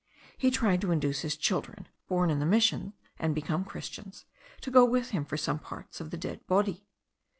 He tried to induce his children, born in the mission and become Christians, to go with him for some parts of the dead body.